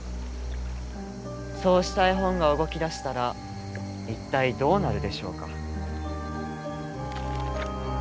そうした絵本が動き出したら一体どうなるでしょうか？